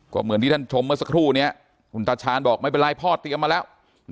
ก็เหมือนที่ท่านชมเมื่อสักครู่นี้คุณตาชาญบอกไม่เป็นไรพ่อเตรียมมาแล้ว